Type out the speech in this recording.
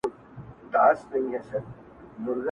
• یاره ستا خواږه کاته او که باڼه وي..